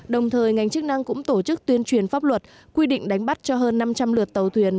đồng thời ngành chức năng cũng tổ chức tuyên truyền pháp luật quy định đánh bắt cho hơn năm trăm linh lượt tàu thuyền